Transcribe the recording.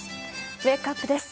ウェークアップです。